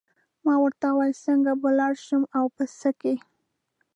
ما ورته وویل څنګه به لاړ شم او په څه کې.